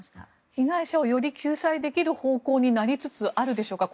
被害者をより救済できる方向になりつつあるでしょうか